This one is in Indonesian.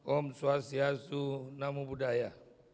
om swastiastu namu budaya